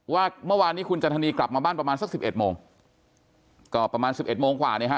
ว่าเมื่อวานนี้คุณจันทนีกลับมาบ้านประมาณสักสิบเอ็ดโมงก็ประมาณสิบเอ็ดโมงกว่าเนี่ยฮะ